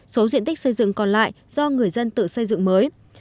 số diện tích xây dựng còn lại do người dân tự xây dựng mới